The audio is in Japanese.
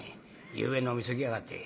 ゆうべ飲みすぎやがって。